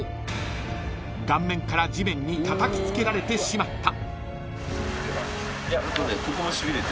［顔面から地面にたたきつけられてしまった］